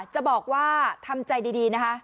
จะบอกว่าทำใจดีนะคะ